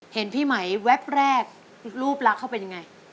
เห็นพี่ไหมแวบแรกรูปลักษณ์เขาเป็นยังไง